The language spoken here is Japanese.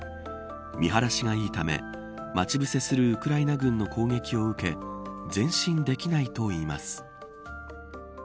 見晴らしがいいため待ち伏せするウクライナ軍の攻撃を受け前進できないといいます。